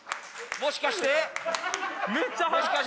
もしかして？